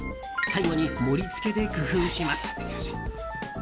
最後に盛り付けで工夫します。